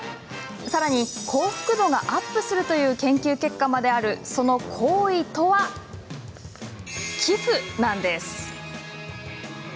さらに幸福度がアップするという研究結果まであるその行為とは寄付なんです。